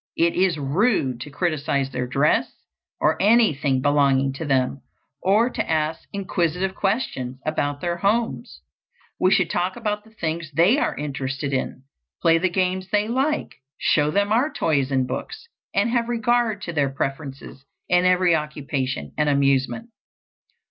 It is rude to criticise their dress or anything belonging to them, or to ask inquisitive questions about their homes. We should talk about the things they are interested in, play the games they like, show them our toys and books, and have regard to their preferences in every occupation and amusement.